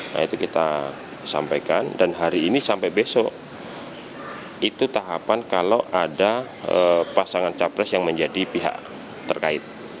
nah itu kita sampaikan dan hari ini sampai besok itu tahapan kalau ada pasangan capres yang menjadi pihak terkait